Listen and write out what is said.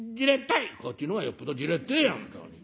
「こっちの方がよっぽどじれってえや本当に。